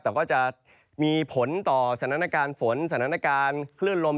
แต่ก็จะมีผลต่อสถานการณ์ฝนสถานการณ์คลื่นลม